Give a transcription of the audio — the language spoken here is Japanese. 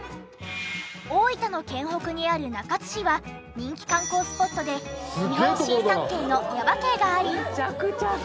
大分の県北にある中津市は人気観光スポットで日本新三景の耶馬渓があり。